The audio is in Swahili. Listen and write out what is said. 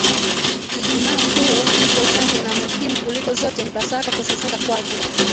Ijumaa Kuu kifo chake na muhimu kuliko zote ni Pasaka kufufuka kwake